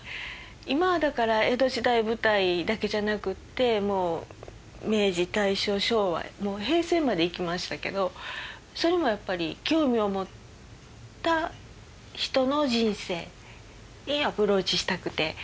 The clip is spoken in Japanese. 今はだから江戸時代舞台だけじゃなくってもう明治大正昭和平成までいきましたけどそれもやっぱり興味を持った人の人生にアプローチしたくて。